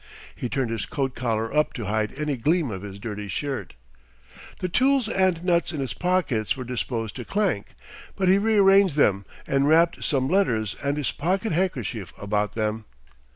He turned his coat collar up to hide any gleam of his dirty shirt. The tools and nuts in his pockets were disposed to clank, but he rearranged them and wrapped some letters and his pocket handkerchief about them.